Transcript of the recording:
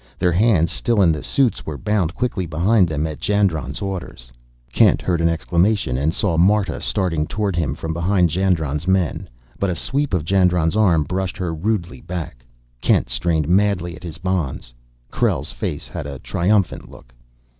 Their hands, still in the suits, were bound quickly behind them at Jandron's orders. Kent heard an exclamation, and saw Marta starting toward him from behind Jandron's men. But a sweep of Jandron's arm brushed her rudely back. Kent strained madly at his bonds. Krell's face had a triumphant look.